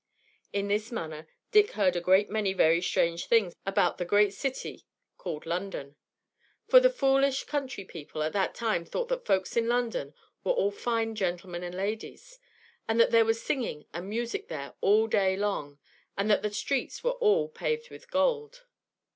In this manner Dick heard a great many very strange things about the great city called London; for the foolish country people at that time thought that folks in London were all fine gentlemen and ladies; and that there was singing and music there all day long; and that the streets were all paved with gold.